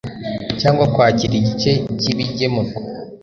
cyangwa kwakira igice cy ibigemurwa